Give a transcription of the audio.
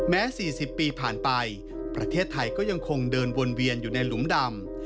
๔๐ปีผ่านไปประเทศไทยก็ยังคงเดินวนเวียนอยู่ในหลุมดำ